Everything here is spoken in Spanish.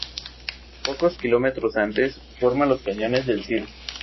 Pocos kilómetros antes forma los Cañones del Sil.